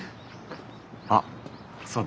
あっそうだ。